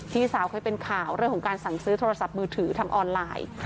พี่สาวเคยเป็นข่าวเรื่องของการสั่งซื้อโทรศัพท์มือถือทางออนไลน์